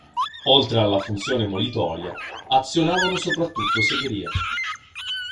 Oltre alla funzione molitoria, azionavano soprattutto segherie.